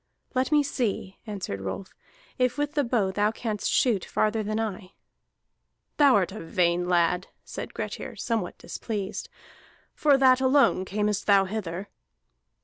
"Let me see," answered Rolf, "if with the bow thou canst shoot farther than I." "Thou art a vain lad," said Grettir, somewhat displeased. "For that alone earnest thou hither?"